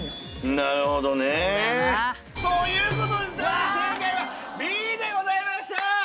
なるほどね。という事で正解はＢでございました！